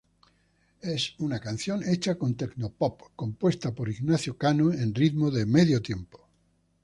Es una canción hecha en tecno-pop, compuesta por Ignacio Cano en ritmo de medio-tiempo.